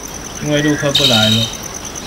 因為陸客不來了